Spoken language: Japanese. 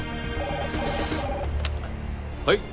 はい。